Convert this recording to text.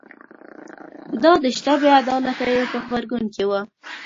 دا د شته بې عدالتیو په غبرګون کې و